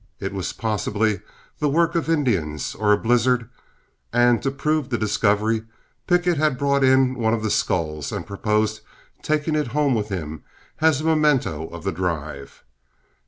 It was possibly the work of Indians, or a blizzard, and to prove the discovery, Pickett had brought in one of the skulls and proposed taking it home with him as a memento of the drive.